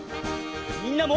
みんなも！